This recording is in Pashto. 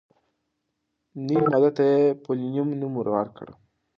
نوې ماده ته یې «پولونیم» نوم ورکړ.